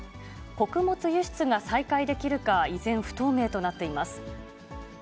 穀物輸出が再開できるか、依然不透明となっています。